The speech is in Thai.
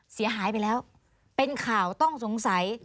เสียหายไปแล้วเป็นข่าวต้องสงสัย